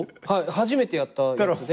初めてやったやつで。